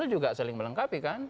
juga saling melengkapi kan